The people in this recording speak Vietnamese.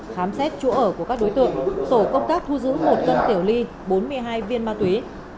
khám xét chỗ ở của các đối tượng tổ công tác thu giữ một cân tiểu ly bốn mươi hai viên ma túy